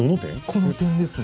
この点ですね。